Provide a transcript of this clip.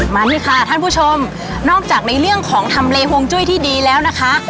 มานี่ค่ะท่านผู้ชมนอกจากในเรื่องของทำเลห่วงจุ้ยที่ดีแล้วนะคะ